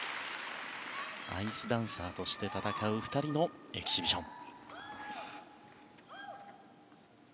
アイスダンサーとして戦う２人のエキシビション。